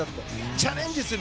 チャレンジする。